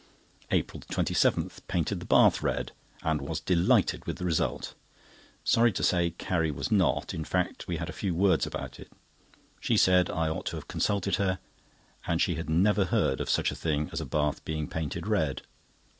APRIL 27.—Painted the bath red, and was delighted with the result. Sorry to say Carrie was not, in fact we had a few words about it. She said I ought to have consulted her, and she had never heard of such a thing as a bath being painted red.